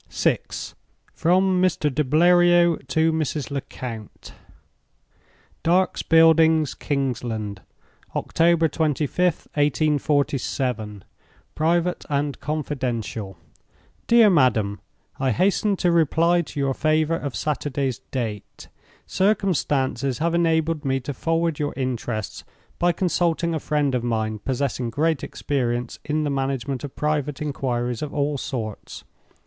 VI. From Mr. de Bleriot to Mrs. Lecount. "Dark's Buildings, Kingsland, "October 25th, 1847. "Private and Confidential. "DEAR MADAM, "I hasten to reply to your favor of Saturday's date. Circumstances have enabled me to forward your interests, by consulting a friend of mine possessing great experience in the management of private inquiries of all sorts.